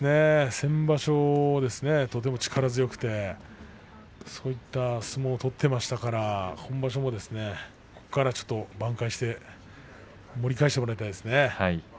先場所ですね、とても力強くてそういった相撲を取っていましたので今場所もここから挽回して盛り返してもらいたいですね。